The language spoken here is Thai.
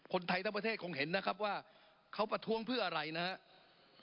คนไทยทั้งประเทศคงเห็นนะครับว่าเขาประท้วงเพื่ออะไรนะครับ